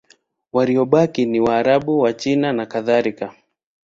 Waliobaki ni Waarabu, Wachina nakadhalika.